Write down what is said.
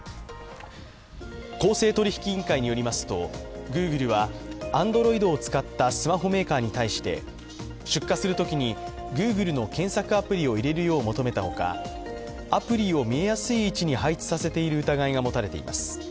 公正取引委員会によりますと、ＧｏｏｇｌｅはＡｎｄｒｏｉｄを使ったスマホメーカーに対して出荷するときにＧｏｏｇｌｅの検索アプリを入れるよう求めたほか、アプリを見えやすい位置に配置させている疑いが持たれています。